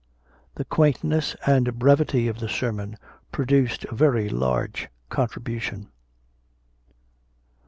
The quaintness and brevity of the sermon produced a very large contribution.